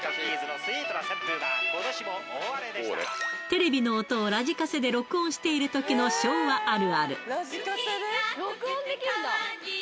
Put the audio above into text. テレビの音をラジカセで録音しているときの昭和あるある。